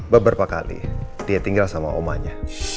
beberapa kali dia tinggal sama omanya